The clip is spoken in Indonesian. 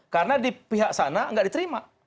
karena di pihak sana tidak diterima